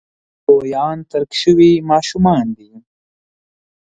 لویان ترک شوي ماشومان دي.